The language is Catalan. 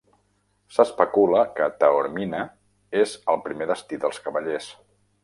S'especula que Taormina és el primer destí dels cavallers.